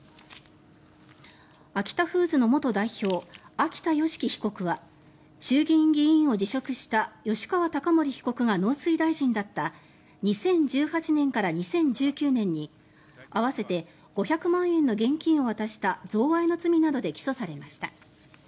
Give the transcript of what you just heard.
秋田善祺被告は衆議院議員を辞職した吉川貴盛被告が農水大臣だった２０１８年から２０１９年に合わせて５００万円の現金を渡した贈賄の罪などで起訴されました。